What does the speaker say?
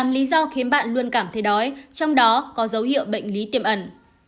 lý do khiến bạn luôn cảm thấy đói trong đó có dấu hiệu bệnh lý tiềm ẩn